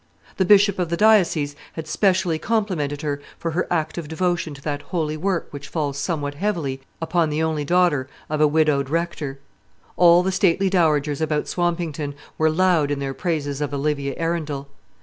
The bishop of the diocese had specially complimented her for her active devotion to that holy work which falls somewhat heavily upon the only daughter of a widowed rector. All the stately dowagers about Swampington were loud in their praises of Olivia Arundel.